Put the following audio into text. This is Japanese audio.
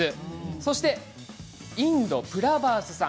そしてインド、プラバースさん。